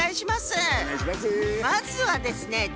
まずはですね